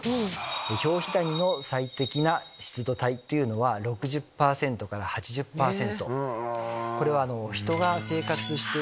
ヒョウヒダニの最適な湿度帯っていうのは６０％から８０％。